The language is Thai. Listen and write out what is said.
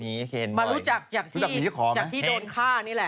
มีเคนมารู้จักจากที่โดนฆ่านี่แหละ